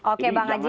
oke bang ajis